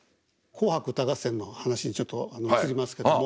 「紅白歌合戦」の話にちょっと移りますけども。